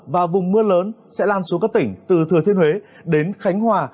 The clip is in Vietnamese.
và vùng mưa lớn sẽ lan xuống các tỉnh từ thừa thiên huế đến khánh hòa